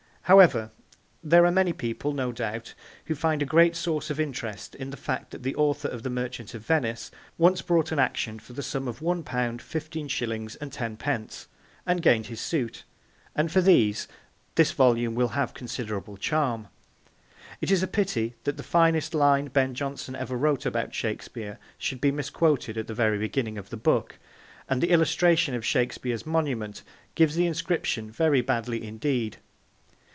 However, there are many people, no doubt, who find a great source of interest in the fact that he author of The Merchant of Venice once brought an action for the sum of 1 pound, 15s. 10d. and gained his suit, and for these this volume will have considerable charm. It is a pity that the finest line Ben Jonson ever wrote about Shakespeare should be misquoted at the very beginning of the book, and the illustration of Shakespeare's monument gives the inscription very badly indeed.